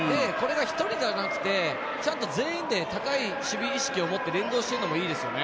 １人じゃなくて全員で高い守備意識を持って連動しているのがいいですよね。